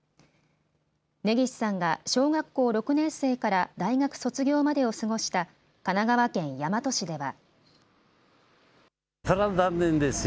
根岸さんが小学校６年生から大学卒業までを過ごした神奈川県大和市では。